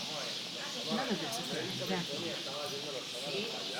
None of this occurs in a vacuum, of course.